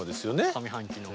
上半期の。